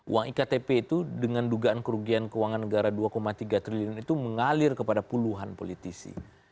uang iktp itu dengan dugaan kerugian keuangan negara dua tiga triliun itu mengalir kepada puluhan politisi